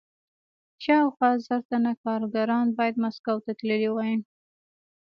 شاوخوا زر تنه کارګران باید مسکو ته تللي وای